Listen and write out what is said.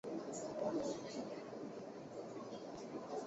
兄终弟及是一种继承的制度。